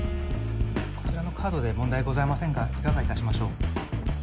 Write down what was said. こちらのカードで問題ございませんがいかがいたしましょう？